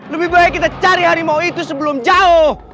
lebih baik kita cari harimau itu sebelum jauh